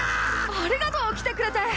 ありがとう来てくれて。